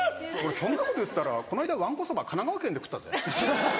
そんなこと言ったらこの間わんこそば神奈川県で食ったぜ。